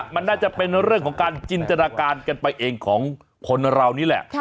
มันน่าจะเป็นเรื่องของการจินตนาการกันไปเองของคนเรานี่แหละ